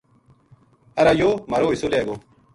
ارا یو ہ مہارو حصو لیے گو